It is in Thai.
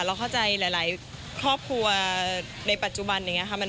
เราเข้าใจหลายครอบครัวในปัจจุบันอย่างนี้ค่ะ